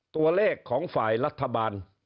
ตัวเลขของฝ่ายรัฐบาล